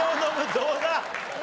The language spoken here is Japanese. どうだ！？